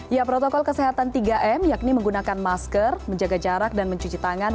ya protokol kesehatan tiga m yakni menggunakan masker menjaga jarak dan mencuci tangan